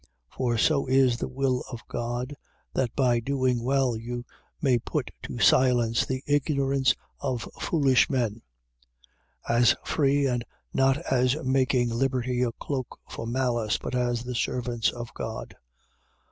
2:15. For so is the will of God, that by doing well you may put to silence the ignorance of foolish men: 2:16. As free and not as making liberty a cloak for malice, but as the servants of God.